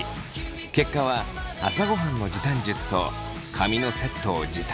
結果は朝ごはんの時短術と髪のセットを時短